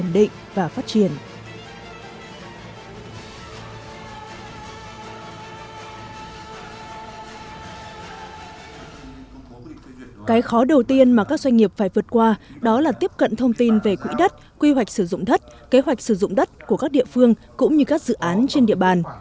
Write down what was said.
cái khó đầu tiên mà các doanh nghiệp phải vượt qua đó là tiếp cận thông tin về quỹ đất quy hoạch sử dụng đất kế hoạch sử dụng đất của các địa phương cũng như các dự án trên địa bàn